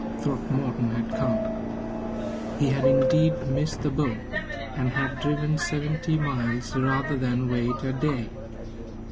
Throckmorton had come. He had indeed missed the boat, and had driven seventy miles rather than wait a day.